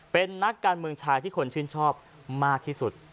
เป็นนักการเมืองชายที่คนชื่นชอบมากที่สุด